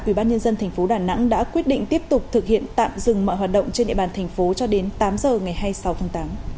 ubnd tp đà nẵng đã quyết định tiếp tục thực hiện tạm dừng mọi hoạt động trên địa bàn thành phố cho đến tám giờ ngày hai mươi sáu tháng tám